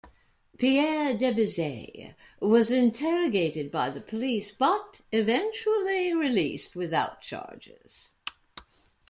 Pierre Debizet was interrogated by the police, but eventually released without charges.